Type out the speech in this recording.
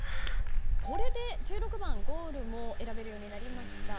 これで１６番ゴールも選べるようになりました。